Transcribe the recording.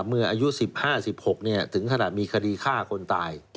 เมื่ออายุ๑๕๑๖ถึงขนาดมีคดีฆ่าคนตาย